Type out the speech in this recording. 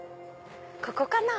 ここかな。